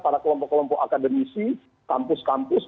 para kelompok kelompok akademisi kampus kampus